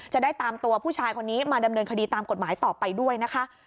จะได้ตามตัวผู้ชายคนนี้มาดำเนินคดีตามกฎหมายต่อไปด้วยนะคะ